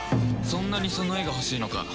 そんなにその絵が欲しいのか？